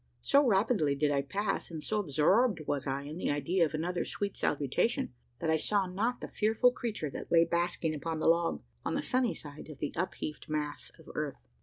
So rapidly did I pass, and so absorbed was I in the idea of another sweet salutation, that I saw not the fearful creature that lay basking upon the log on the sunny side of the upheaved mass of earth.